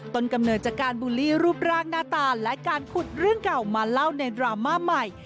กำเนิดจากการบูลลี่รูปร่างหน้าตาและการขุดเรื่องเก่ามาเล่าในดราม่าใหม่